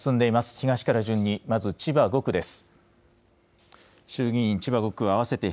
東から順に、まず千葉５区です。